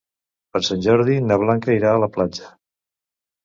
Per Sant Jordi na Blanca irà a la platja.